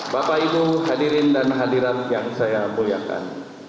bapak ibu hadirin dan hadirat yang saya muliakan